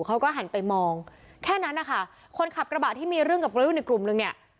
เขาก็หันไปมองแค่นั้นนะคะคนขับกระบะที่มีเรื่องกับวัยรุ่นอีกกลุ่มนึงเนี่ย